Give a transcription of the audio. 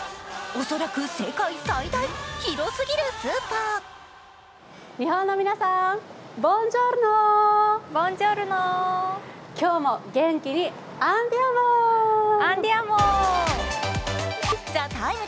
恐らく世界最大、広すぎるスーパー「ＴＨＥＴＩＭＥ，」